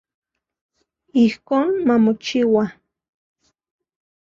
Ijkon mamochiua.